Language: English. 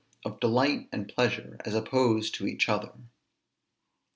OF DELIGHT AND PLEASURE, AS OPPOSED TO EACH OTHER.